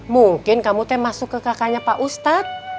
mungkin kamu teh masuk ke kakaknya pak ustadz